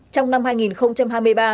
trong năm hai nghìn hai mươi ba